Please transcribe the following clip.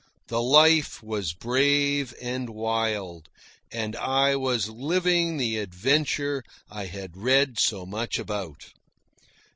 The life was brave and wild, and I was living the adventure I had read so much about.